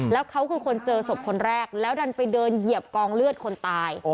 แล้วเขาคือคนเจอศพคนแรกแล้วดันไปเดินเหยียบกองเลือดคนตาย